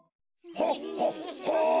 ほっほっほ！